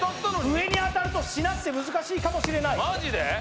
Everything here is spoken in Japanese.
上に当たるとしなって難しいかもしれないマジで？